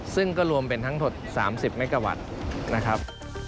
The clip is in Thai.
ซึ่งก็รวมเป็นทั้งหมด๓๐เมกาวัตต์นะครับ